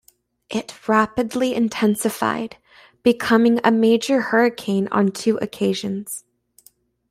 It rapidly intensified, becoming a major hurricane on two occasions.